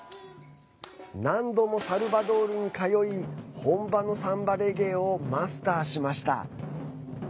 何度もサルバドールに通い本場のサンバレゲエをマスターしました。